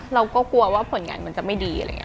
เราก็กลัวว่าผลงานมันจะไม่ดีอะไรอย่างนี้